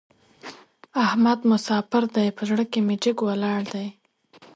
احمد مساپر دی؛ په زړه کې مې جګ ولاړ دی.